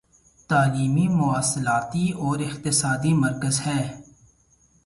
تعلیمی مواصلاتی و اقتصادی مرکز ہے